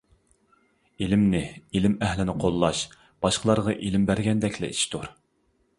ئىلىمنى، ئىلىم ئەھلىنى قوللاش باشقىلارغا ئىلىم بەرگەندەكلا ئىشتۇر.